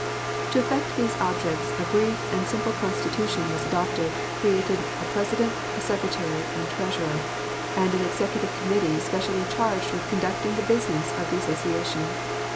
To effect these objects a brief and simple Constitution was adopted, creating a President, a Secretary and Treasurer, and an Executive Committee specially charged with conducting the business of the Association.